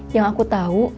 yang aku tau